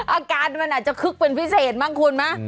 อาการมันอาจจะคึกเป็นพิเศษบ้างคุณไหม